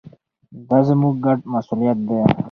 دا زموږ ګډ مسوولیت دی.